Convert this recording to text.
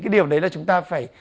cái điều đấy là chúng ta phải